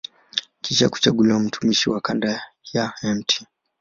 Kisha kuchaguliwa mtumishi wa kanda ya Mt.